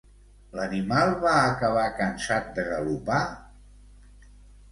L'animal va acabar cansat de galopar?